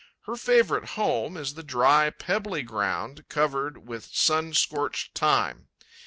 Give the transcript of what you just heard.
Her favourite home is the dry, pebbly ground, covered with sun scorched thyme.